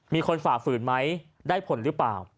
มีคนฝากฝืนไหมได้ผลหรือเปล่า